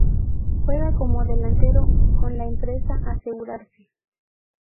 Juega como delantero con la empresa Asegarce.